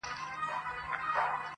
ما لیدې د کړاکړ په تورو غرو کي!!